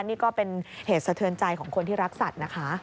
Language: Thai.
นี่ก็เป็นเหตุสะเทือนใจของคนที่รักสัตว์นะคะ